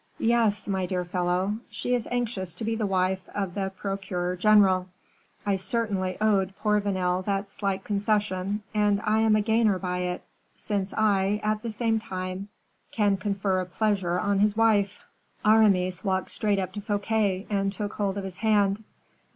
"Yes, my dear fellow; she is anxious to be the wife of the procureur general. I certainly owed poor Vanel that slight concession, and I am a gainer by it; since I, at the same time, can confer a pleasure on his wife." Aramis walked straight up to Fouquet, and took hold of his hand.